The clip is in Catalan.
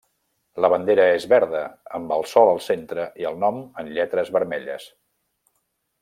La bandera és verda amb el sol al centre i el nom en lletres vermelles.